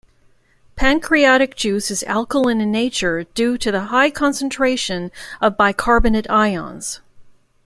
Pancreatic juice is alkaline in nature due to the high concentration of bicarbonate ions.